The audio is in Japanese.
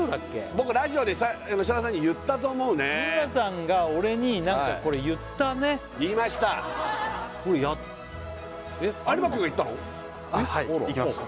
僕ラジオで設楽さんに言ったと思うね日村さんが俺に何かこれ言ったね言いましたこれえっ？はい行きました